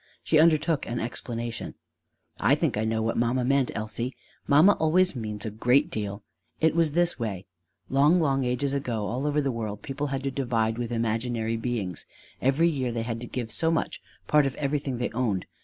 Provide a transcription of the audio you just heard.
She undertook an explanation: "I think I know what mamma meant, Elsie. Mamma always means a great deal. It was this way: long, long ages ago all over the world people had to divide with imaginary beings: every year they had to give so much, part of everything they owned.